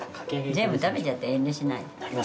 全部食べちゃって遠慮しないで。